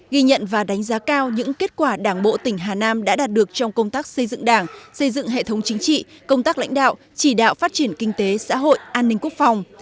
ghi nhận và đánh giá cao những kết quả đảng bộ tỉnh hà nam đã đạt được trong công tác xây dựng đảng xây dựng hệ thống chính trị công tác lãnh đạo chỉ đạo phát triển kinh tế xã hội an ninh quốc phòng